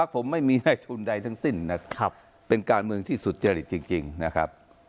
เป็นการเมืองที่สุซาลิชร์จริงนะครับ